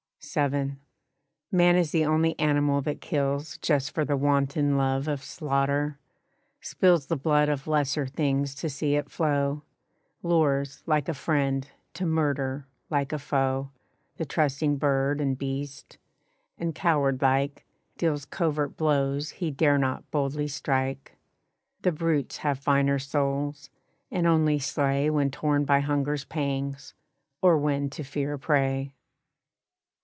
VII. Man is the only animal that kills Just for the wanton love of slaughter; spills The blood of lesser things to see it flow; Lures like a friend, to murder like a foe The trusting bird and beast; and, coward like, Deals covert blows he dare not boldly strike. The brutes have finer souls, and only slay When torn by hunger's pangs, or when to fear a prey.